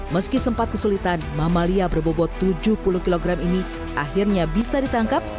meski sempat kesulitan mamalia berbobot tujuh puluh kilogram ini akhirnya bisa ditangkap